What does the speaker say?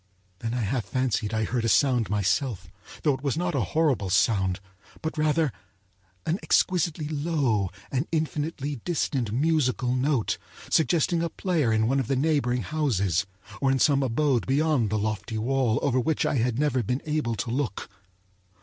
Then I half fancied I heard a sound myself; though it was not a horrible sound, but rather an exquisitely low and infinitely distant musical note, suggesting a player in one of the neighboring houses, or in some abode beyond the lofty wall over which I had never been able to look.